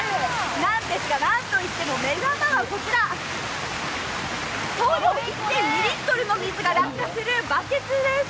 なんですが、何といっても目玉はこちら、送料１．２リットルの水が落下するバケツです。